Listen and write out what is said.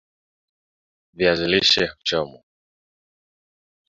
viazi lishe huchomwa